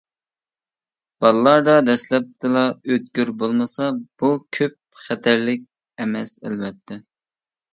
بالىلاردا دەسلىپىدىلا ئۆتكۈر بولمىسا بۇ كۆپ خەتەرلىك ئەمەس ئەلۋەتتە.